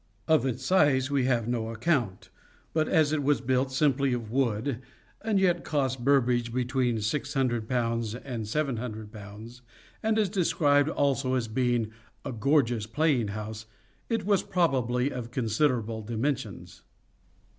Of its size we have no account, but as it was built simply of wood and yet cost Burbage between ^600 and ;^7oo, and is described also as being " a gorgeous playing house," it was probably of considerable dimensions.